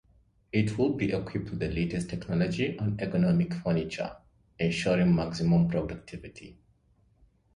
It would be equipped with the latest technology and ergonomic furniture, ensuring maximum productivity.